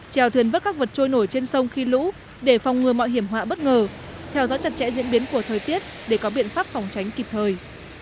trèo thuyền vất các vật trôi nổi trên sông khi lũ để phòng ngừa mọi hiểm họa bất ngờ theo dõi chặt chẽ diễn biến của thời tiết để có biện pháp phòng tránh kịp thời